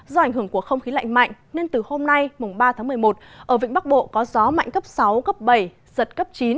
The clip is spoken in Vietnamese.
do ảnh hưởng của không khí lạnh mạnh nên từ hôm nay mùng ba tháng một mươi một ở vĩnh bắc bộ có gió mạnh cấp sáu cấp bảy giật cấp chín